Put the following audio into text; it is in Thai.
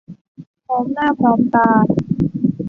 พร้อมหน้าพร้อมตา